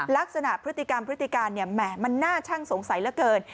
ลักษณะพฤติกรรมมันน่าช่างสงสัยเหลือเกิน